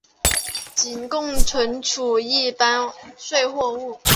仅供存储一般保税货物。